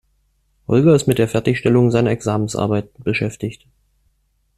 Holger ist mit der Fertigstellung seiner Examensarbeit beschäftigt.